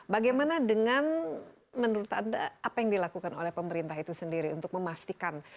bagaimana dengan menurut anda apa yang dilakukan oleh pemerintah itu sendiri untuk memastikan